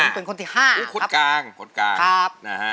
สวัสดีครับ